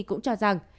cũng cho rằng